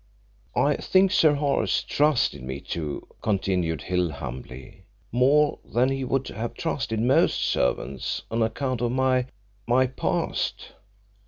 "I think Sir Horace trusted me, too," continued Hill humbly, "more than he would have trusted most servants, on account of my my past.